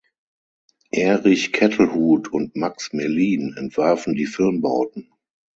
Erich Kettelhut und Max Mellin entwarfen die Filmbauten.